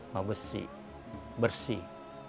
ma besi bersih